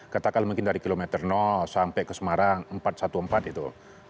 katakan mungkin dari kilometer sampai ke semarang empat ratus empat belas itu